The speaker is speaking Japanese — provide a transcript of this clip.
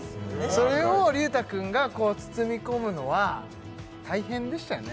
それを隆太くんがこう包み込むのは大変でしたよね